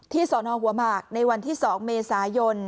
ที่สอนอองค์หัวหมากในวันที่๒เมษายน